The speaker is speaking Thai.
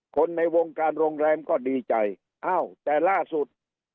คนในวงการโรงแรมก็ดีใจอ้าวแต่ล่าสุด